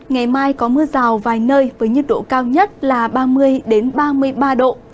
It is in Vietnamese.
ngày mai có mưa rào vài nơi với nhiệt độ cao nhất là ba mươi ba mươi ba độ